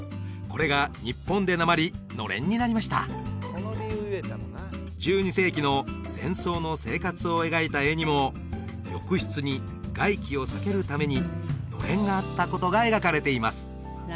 これが日本でなまり「のれん」になりました１２世紀の禅僧の生活を描いた絵にも浴室に外気を避けるために暖簾があったことが描かれています